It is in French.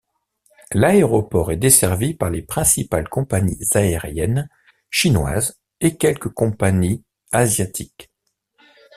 L'aéroport est desservi par les principales compagnies aériennes chinoises et quelques compagnies asiatiques.